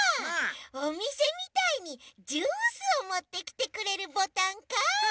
おみせみたいにジュースをもってきてくれるボタンか！